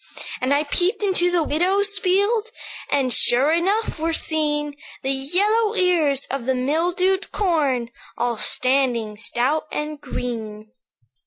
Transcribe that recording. "And I peeped into the widow's field, And, sure enough, were seen The yellow ears of the mildewed corn, All standing stout and green.